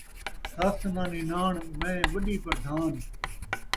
سس ناں نناݨ ، میں وݙی پردھان